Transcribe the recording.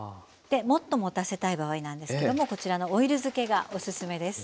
もっともたせたい場合なんですけどもこちらのオイル漬けがおすすめです。